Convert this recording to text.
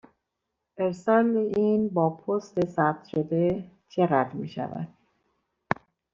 ارسال این با پست ثبت شده چقدر می شود؟